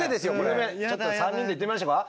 有名ちょっと３人で言ってみましょうか。